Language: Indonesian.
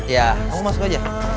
ya kamu masuk aja